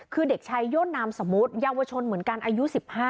คือเด็กชายโย่นนามสมมุติเยาวชนเหมือนกันอายุ๑๕